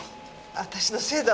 私のせいだわ。